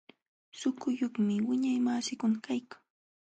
Suquyuqmi wiñaymasiikuna kaykan.